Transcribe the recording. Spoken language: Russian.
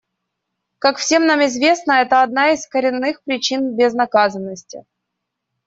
Как всем нам известно, это одна из коренных причин безнаказанности.